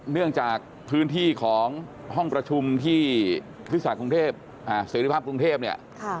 เนื่องจากพื้นที่ของห้องประชุมที่ฤทธิษฐกรุงเทพศาสตร์เศรษฐภาพกรุงเทพเนี่ย